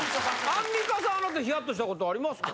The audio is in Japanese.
アンミカさんあなたヒヤッとしたことありますか？